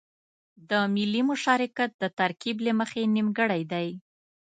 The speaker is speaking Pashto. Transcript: د ملي مشارکت د ترکيب له مخې نيمګړی دی.